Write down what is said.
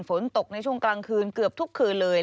ฝนตกในช่วงกลางคืนเกือบทุกคืนเลย